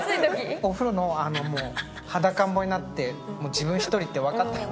お風呂のもう裸ん坊になって自分一人って分かったら。